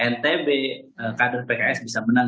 ntb kader pks bisa menang